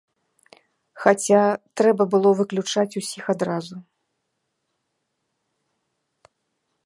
Хаця, трэба было выключаць усіх адразу.